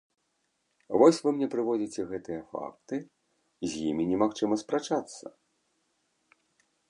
Вось вы мне прыводзіце гэтыя факты, з імі немагчыма спрачацца.